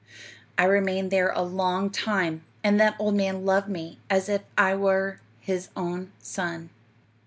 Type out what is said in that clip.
"'I remained there a long time, and that old man loved me as if I were his own son.